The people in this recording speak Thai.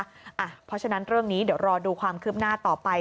เพราะฉะนั้นเรื่องนี้เดี๋ยวรอดูความคืบหน้าต่อไป